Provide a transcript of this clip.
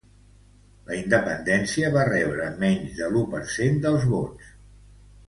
La independència va rebre menys de l'u per cent dels vots.